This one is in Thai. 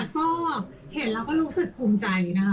ก็เห็นแล้วก็รู้สึกภูมิใจนะคะ